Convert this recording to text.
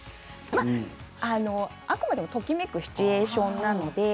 あくまでもときめくシチュエーションなので。